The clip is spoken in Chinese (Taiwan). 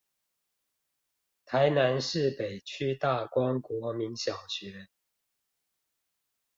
臺南市北區大光國民小學